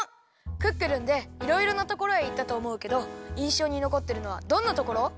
「クックルン」でいろいろなところへいったとおもうけどいんしょうにのこってるのはどんなところ？